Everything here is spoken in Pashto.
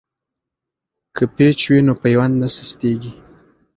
که پیچ وي نو پیوند نه سستیږي.